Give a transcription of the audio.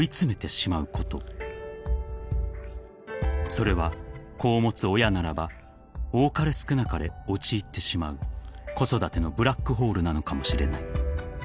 ［それは子を持つ親ならば多かれ少なかれ陥ってしまう子育てのブラックホールなのかもしれない］